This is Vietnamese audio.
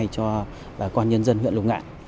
cho con nhân dân huyện lục ngạn